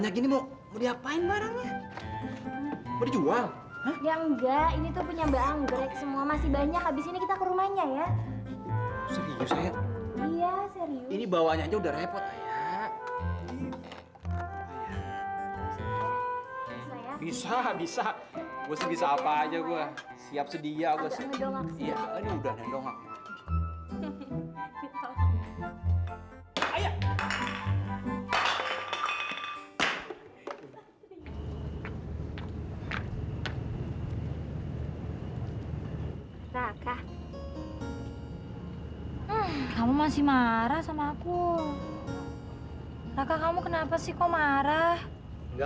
hai raka raka kamu masih marah sama aku raka kamu kenapa sih kau marah enggak